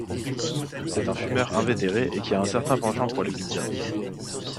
C'est un fumeur invétéré et qui a un certain penchant pour les pizzas.